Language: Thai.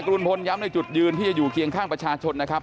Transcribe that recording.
ลุงพลย้ำในจุดยืนที่จะอยู่เคียงข้างประชาชนนะครับ